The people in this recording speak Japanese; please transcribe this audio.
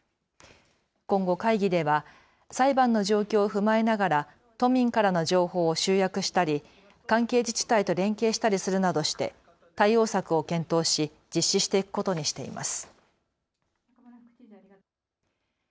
今後、会議では裁判の状況を踏まえながら都民からの情報を集約したり関係自治体と連携したりするなどして対応策を検討し実施していくことにしています。